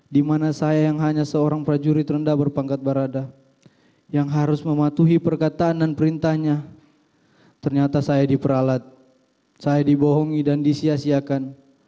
di mana saya yang hanya seorang prajurit rendah berpangkat barada yang harus mematuhi perkataan dan perintahnya ternyata saya diperalat saya dibohongi dan disiasiakan